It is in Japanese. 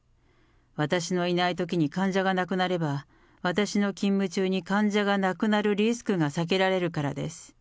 私のいないときに患者が亡くなれば、私の勤務中に患者が亡くなるリスクが避けられるからです。